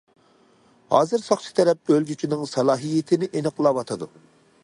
ھازىر ساقچى تەرەپ ئۆلگۈچىنىڭ سالاھىيىتىنى ئېنىقلاۋاتىدۇ.